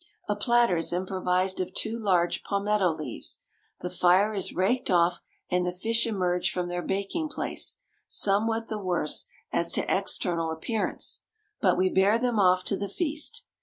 A platter is improvised of two large palmetto leaves. The fire is raked off, and the fish emerge from their baking place, somewhat the worse as to external appearance; but we bear them off to the feast.